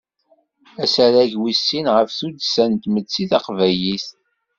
Asarag wis sin ɣef tuddsa n tmetti taqbaylit.